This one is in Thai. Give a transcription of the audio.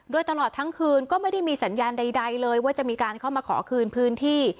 โดยตลอดทั้งคืนก็ไม่ได้มีสัญญาณใดเลยว่าจะมีการเข้ามาขอคืนพื้นที่